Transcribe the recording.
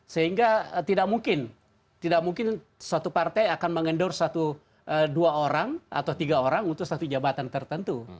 sehingga tidak mungkin tidak mungkin suatu partai akan mengendorse satu dua orang atau tiga orang untuk satu jabatan tertentu